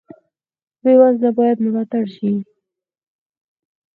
بې وزله باید ملاتړ شي